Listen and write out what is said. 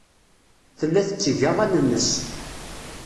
Tella tetteg aɣan-nnes.